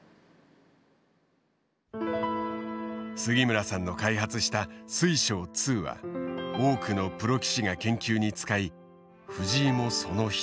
杉村さんの開発した水匠２は多くのプロ棋士が研究に使い藤井もその一人だ。